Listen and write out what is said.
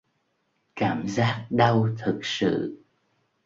Cảm giác đau thực sự